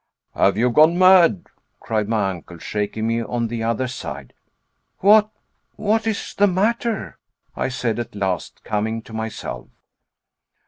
"Have you gone mad?" cried my uncle, shaking me on the other side. "What what is the matter?" I said at last, coming to myself.